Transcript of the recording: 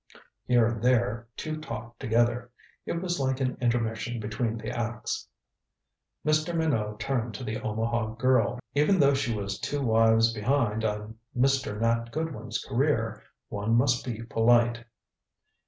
Here and there two talked together. It was like an intermission between the acts. Mr. Minot turned to the Omaha girl. Even though she was two wives behind on Mr. Nat Goodwin's career, one must be polite.